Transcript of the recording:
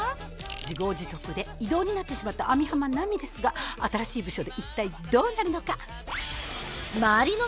自業自得で異動になってしまった網浜奈美ですが新しい部署で一体どうなるのか？